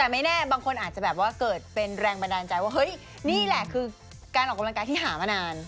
แต่ไม่แน่บางคนอาจจะแบบว่าเกิดเป็นแรงบันดาลใจว่าเฮ้ยนี่แหละคือการออกกำลังกายที่หามานาน